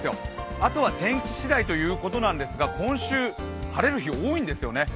あとは天気しだいということなんですが今週晴れる日多いんですよね。